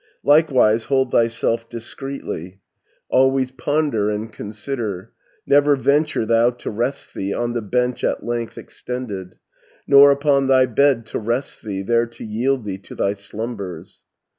"Likewise hold thyself discreetly, Always ponder and consider; Never venture thou to rest thee On the bench at length extended, 240 Nor upon thy bed to rest thee, There to yield thee to thy slumbers.